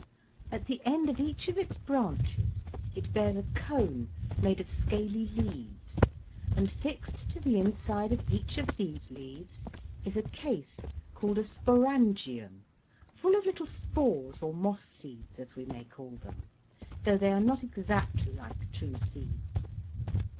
At the end of each of its branches it bears a cone made of scaly leaves; and fixed to the inside of each of these leaves is a case called a sporangium, full of little spores or moss seeds, as we may call them, though they are not exactly like true seeds.